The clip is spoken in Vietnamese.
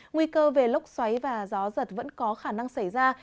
nguy cơ về lốc xoáy và gió giật vẫn có khả năng xảy ra